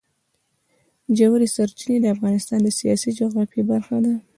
ژورې سرچینې د افغانستان د سیاسي جغرافیه برخه ده.